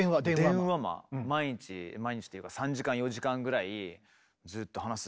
毎日毎日というか３時間４時間ぐらいずっと話すって。